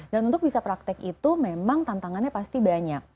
dan untuk bisa praktek itu memang tantangannya pasti banyak